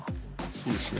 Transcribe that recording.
そうですね。